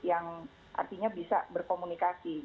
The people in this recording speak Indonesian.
yang artinya bisa berkomunikasi